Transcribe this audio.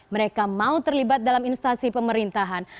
mereka mau terlibat dalam instansi pemerintahan